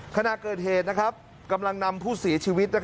ขณะเกิดเหตุกำลังนำผู้เสียชีวิต